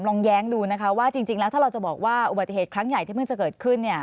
แย้งดูนะคะว่าจริงแล้วถ้าเราจะบอกว่าอุบัติเหตุครั้งใหญ่ที่เพิ่งจะเกิดขึ้นเนี่ย